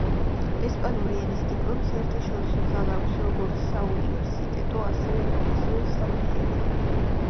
ესპანური ენის დიპლომს საერთაშორისო ძალა აქვს როგორც საუნივერსიტეტო, ასევე პროფესიულ სარბიელზე.